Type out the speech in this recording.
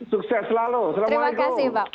sukses selalu assalamualaikum